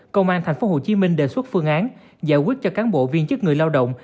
công an tp hcm đề xuất phương án giải quyết cho cán bộ viên chức người lao động